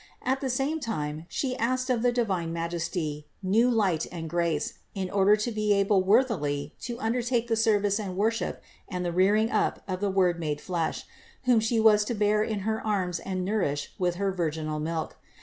At the same time She asked of the divine Majesty new light and grace in order to be able worthily to undertake the service and worship and the rearing up of the Word made flesh, whom She was to bear in Her arms and nourish with her virginal milk.